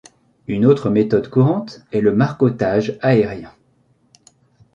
Une autre méthode courante est le marcottage aérien.